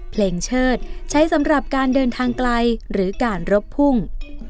เชิดใช้สำหรับการเดินทางไกลหรือการรบพุ่ง